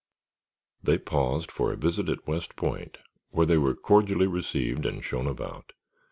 They paused for a visit at West Point, where they were cordially received and shown about.